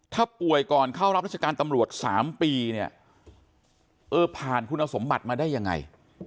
ถ้าป่วยก่อนเข้ารับราชการตำรวจ๓ปีเนี่ยเออผ่านคุณสมบัติมาได้ยังไง